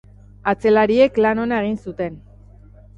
Atzelariek lan ona egin zuten.